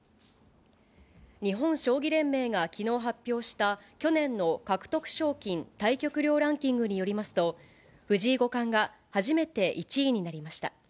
日本将棋連盟がきのう発表した、去年の獲得賞金・対局料ランキングによりますと、藤井五冠が初めて１位になりました。